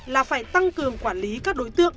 là phải tăng cường quản lý các đối tượng